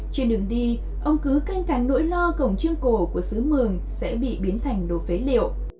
trên đường đi ông cứ canh cánh nỗi lo cổng chiêng cổ của xứ mường sẽ bị biến thành đồ phế liệu